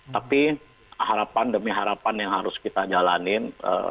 tapi harapan demi harapan yang harus kita jalanin